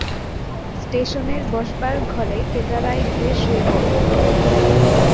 স্টেশনের বসবার ঘরে কেদারায় গিয়ে শুয়ে পড়ল।